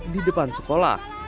di depan sekolah